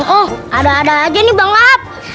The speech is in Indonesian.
oh ada ada aja nih bang lahap